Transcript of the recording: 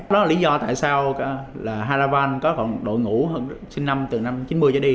đó là lý do tại sao haravan có đội ngũ sinh năm từ năm chín mươi cho đi